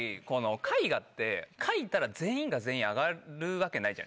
絵画って描いたら全員が全員上がるわけないじゃないですか。